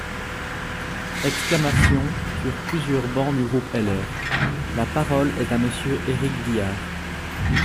(Exclamations sur plusieurs bancs du groupe LR.) La parole est à Monsieur Éric Diard.